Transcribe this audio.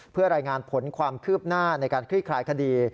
เพื่อรายงานผลความคืบหน้าในการคลี่คลายคดี